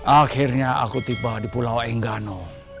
akhirnya aku tiba di pulau enggano